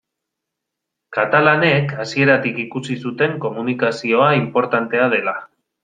Katalanek hasieratik ikusi zuten komunikazioa inportantea dela.